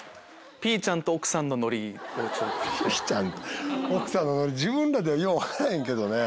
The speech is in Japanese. ぴーちゃんと奥さんのノリ自分らでは分からへんけどね。